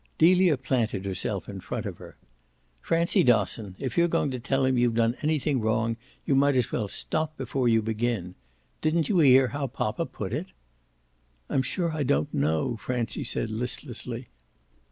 Delia planted herself in front of her. "Francie Dosson, if you're going to tell him you've done anything wrong you might as well stop before you begin. Didn't you hear how poppa put it?" "I'm sure I don't know," Francie said listlessly.